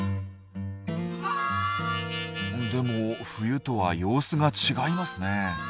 でも冬とは様子が違いますね。